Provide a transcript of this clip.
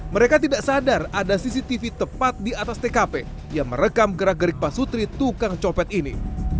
mereka tidak sadar ada cctv tepat di atas tkp yang merekam gerak gerik pak sutri tukang copet ini